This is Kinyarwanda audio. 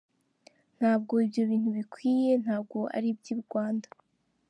Ntabwo ibyo bintu bikwiye, ntabwo ari iby’i Rwanda.